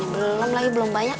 belum lagi belum banyak